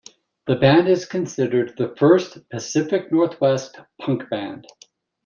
The band is considered the first Pacific Northwest punk band.